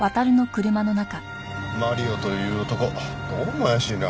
マリオという男どうも怪しいな。